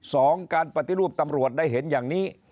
สองการปฏิรูปตำรวจได้เห็นอย่างนี้